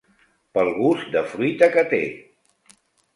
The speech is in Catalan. "Pel gust de fruita que té!"